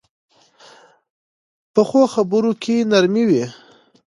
پخو خبرو کې نرمي وي